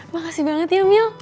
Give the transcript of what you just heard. makasih banget ya mil